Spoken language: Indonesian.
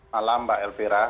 malam mbak elvira